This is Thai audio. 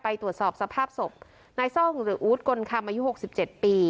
ไปตรวจสอบสภาพศพนายซ่องหรืออู๊ดกลคำอายุ๖๗ปี